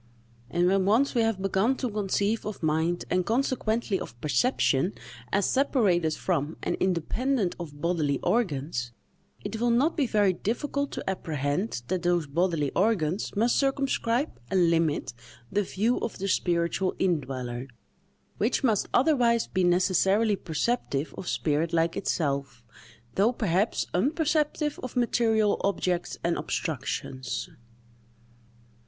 And when once we have begun to conceive of mind, and consequently of perception, as separated from and independent of bodily organs, it will not be very difficult to apprehend that those bodily organs must circumscribe and limit the view of the spiritual in dweller, which must otherwise be necessarily perceptive of spirit like itself, though perhaps unperceptive of material objects and obstructions.